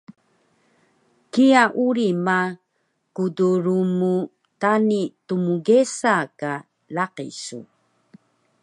Kiya uri ma kdrmtani tmgesa ka laqi su